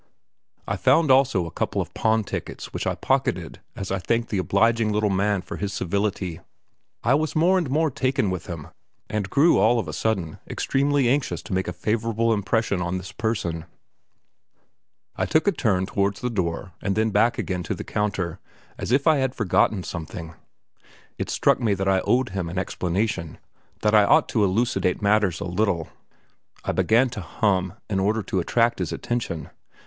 I found also a couple of pawn tickets which I pocketed as I thanked the obliging little man for his civility. I was more and more taken with him, and grew all of a sudden extremely anxious to make a favourable impression on this person. I took a turn towards the door and then back again to the counter as if I had forgotten something. It struck me that I owed him an explanation, that I ought to elucidate matters a little. I began to hum in order to attract his attention.